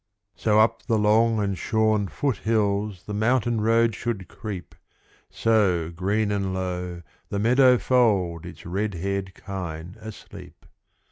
So up the long and shorn foot hills The mountain road should creep; So, green and low, the meadow fold Its red haired kine asleep.